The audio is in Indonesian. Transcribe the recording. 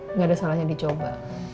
mungkin udah salahnya dicoba